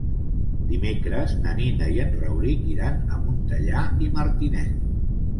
Dimecres na Nina i en Rauric iran a Montellà i Martinet.